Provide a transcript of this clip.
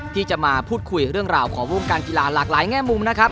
ที่จะมาพูดคุยเรื่องราวของวงการกีฬาหลากหลายแง่มุมนะครับ